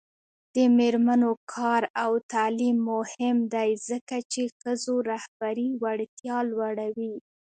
د میرمنو کار او تعلیم مهم دی ځکه چې ښځو رهبري وړتیا لوړوي.